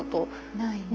ないね。